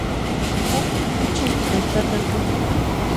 Huk kuchim allpata untun.